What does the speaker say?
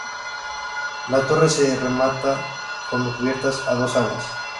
La torre se remata con cubierta a dos aguas.